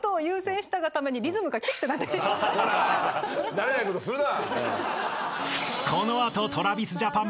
慣れないことするな！